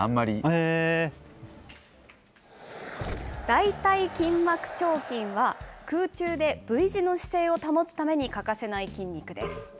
大腿筋膜張筋は、空中でＶ字の姿勢を保つために欠かせない筋肉です。